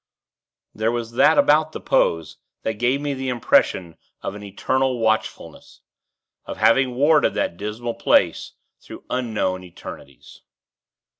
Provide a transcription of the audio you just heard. There was that about the pose that gave me the impression of an eternal watchfulness of having warded that dismal place, through unknown eternities.